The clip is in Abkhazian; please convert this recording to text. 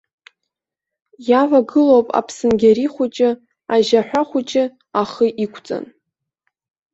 Иавагылоуп аԥсынгьари хәыҷы, ажьаҳәа хәыҷы ахы иқәҵан.